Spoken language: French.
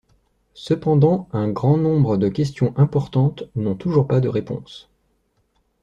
Cependant, un grand nombre de question importante n'ont toujours pas de réponse.